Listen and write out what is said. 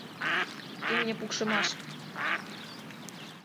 Имне пукшымаш!..